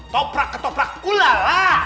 toprak ketoprak ulala